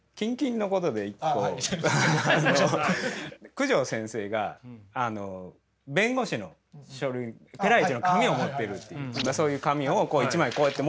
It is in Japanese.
九条先生が弁護士の書類ペライチの紙を持ってるっていうそういう紙を１枚こうやって持ってる。